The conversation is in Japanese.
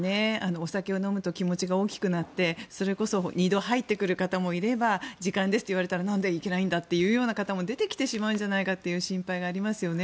お酒を飲むと気持ちが大きくなってそれこそ２度入ってくる方もいれば時間ですと言われたらなんでいけないんだと言われる方も出てきてしまうんじゃないかという心配がありますよね。